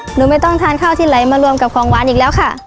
หนูไม่ต้องทานข้าวที่ไหลมารวมกับของหวานอีกแล้วค่ะ